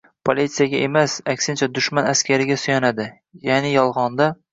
politsiyasiga emas, aksincha “dushman askariga” suyanadi, ya’ni yolg‘onda